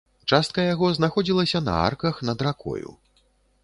Частка яго знаходзілася на арках над ракою.